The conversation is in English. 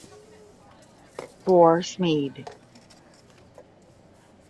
For Smeed.